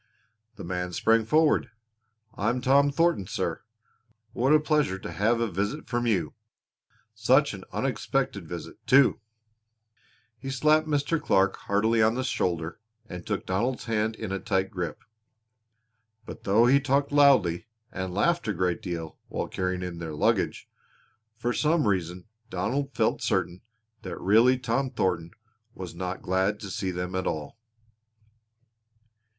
The man sprang forward. "I'm Tom Thornton, sir. What a pleasure to have a visit from you! Such an unexpected visit, too." He slapped Mr. Clark heartily on the shoulder and took Donald's hand in a tight grip. But though he talked loudly, and laughed a great deal while carrying in their luggage, for some reason Donald felt certain that really Tom Thornton was not glad to see them at all.